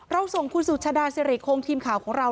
ส่งคุณสุชาดาสิริคงทีมข่าวของเรา